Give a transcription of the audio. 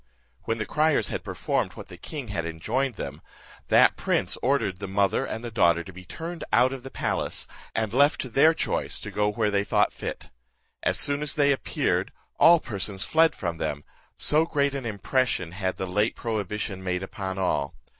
When the criers had performed what the king had enjoined them, that prince ordered the mother and the daughter to be turned out of the palace, and left to their choice to go where they thought fit. As soon as they appeared, all persons fled from them, so great an impression had the late prohibition made upon all.